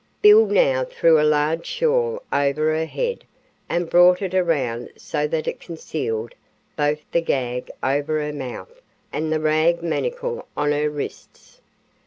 Bill now threw a large shawl over her head and brought it around so that it concealed both the gag over her mouth and the rag manacle on her wrists.